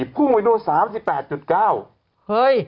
พรุ่งไว้ด้วย๓๘๙